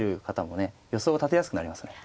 予想を立てやすくなりますよね。